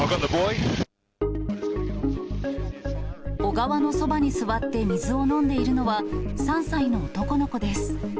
小川のそばに座って水を飲んでいるのは、３歳の男の子です。